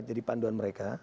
jadi panduan mereka